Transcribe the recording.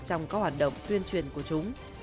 trong các hoạt động tuyên truyền của chúng